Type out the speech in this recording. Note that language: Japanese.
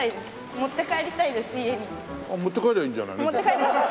持って帰りゃいいんじゃないの？